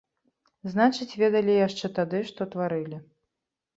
Значыць, ведалі яшчэ тады, што тварылі!